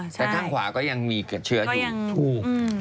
แต่ข้างขวาก็ยังมีเกิดเชื้ออยู่ถูก